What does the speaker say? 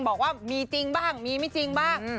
บอกว่ามีจริงบ้างมีไม่จริงบ้าง